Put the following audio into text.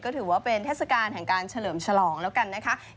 ก็ถือว่าเป็นเทศกาลแห่งการเฉลิมฉลองแล้วกันนะคะ